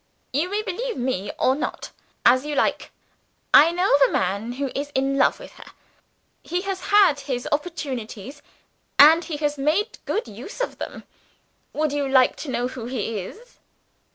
"You may believe me or not, as you like I know of a man who is in love with her. He has had his opportunities; and he has made good use of them. Would you like to know who he is?"